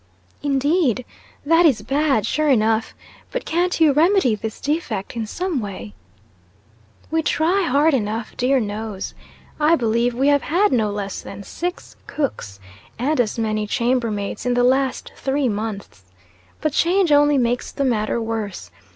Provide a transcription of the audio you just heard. "Indeed! That is bad, sure enough. But can't you remedy this defect in some way?" "We try hard enough, dear knows! I believe we have had no less than, six cooks, and as many chambermaids in the last three months. But change only makes the matter worse.